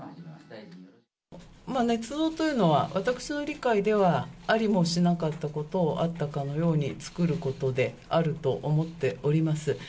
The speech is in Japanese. ねつ造というのは、私の理解では、ありもしなかったことをあったかのように作ることであると思っております。